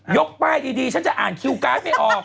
ยกป้ายดีฉันจะอ่านคิวการ์ดไม่ออก